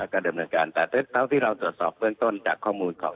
แล้วก็เดิมเรื่องการแต่เมื่อที่เราตรวจสอบเบื้องต้นจากข้อมูลของทาง